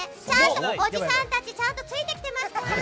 おじさんたちちゃんとついてきてますか？